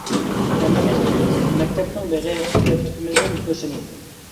ھەممىمىز بىلىمىز، مەكتەپنىڭ بېغى مەكتىپىمىزنىڭ ھۆسنى.